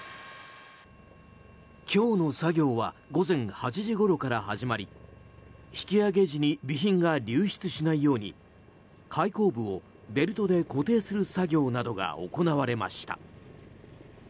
今日の作業は午前８時ごろから始まり引き揚げ時に備品が流出しないように開口部をベルトで固定する作業などが行われました。